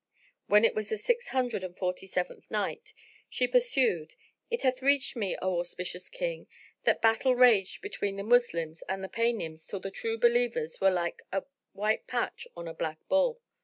When it was the Six Hundred and Forty seventh Night, She pursued, It hath reached me, O auspicious King, that battle raged between the Moslems and the Paynims till the True Believers were like a white patch on a black bull.